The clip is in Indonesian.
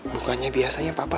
bukannya biasanya papa